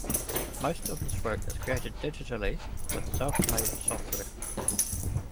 Most of his work is created digitally with self made software.